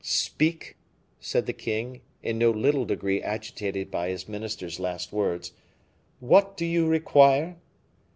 "Speak," said the king, in no little degree agitated by his minister's last words. "What do you require?"